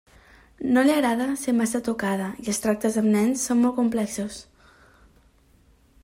No li agrada de ser massa tocada i els tractes amb nens són molt complexos.